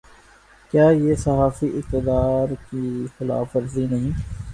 کیا یہ صحافی اقدار کی خلاف ورزی نہیں۔